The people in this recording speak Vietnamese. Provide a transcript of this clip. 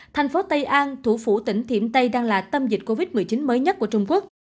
thành phố tây an thủ phủ tỉnh thiểm tây đang là tâm dịch covid một mươi chín mới nhất của trung quốc